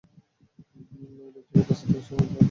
এই লোকটাকে রাস্তা থেকে সরিয়ে দিতে হবে!